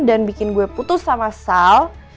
dan bikin gue putus sama sal